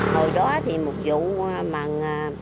hồi đó thì một vụ bằng